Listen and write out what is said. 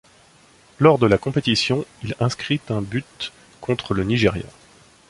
Lors de la compétition, il inscrit un but contre le Nigeria.